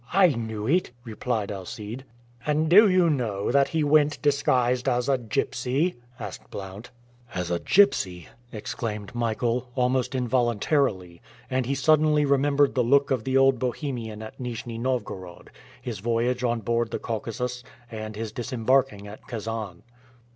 "I knew it," replied Alcide. "And do you know that he went disguised as a gypsy!" asked Blount. "As a gypsy!" exclaimed Michael, almost involuntarily, and he suddenly remembered the look of the old Bohemian at Nijni Novgorod, his voyage on board the Caucasus, and his disembarking at Kasan.